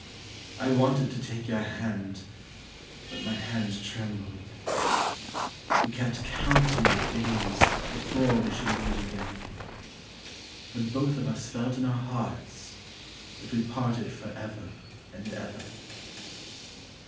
I wanted to take your hand But my hand trembled. You kept counting the days Before we should meet again. But both of us felt in our hearts That we parted for ever and ever.